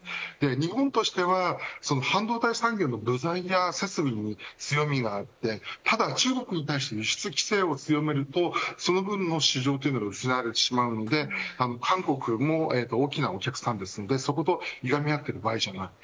日本としては半導体産業の部材や設備に強みがあって中国に対して輸出規制を強めるとその分、市場が失わてしまうので韓国も大きなお客さんですのでそこと、いがみ合っている場合ではない。